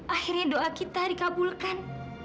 akhirnya doa kita dikabulkan